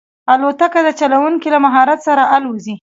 الوتکه د چلونکي له مهارت سره الوزي.